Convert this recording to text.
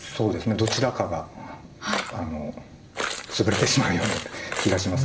どちらかがツブれてしまうような気がします。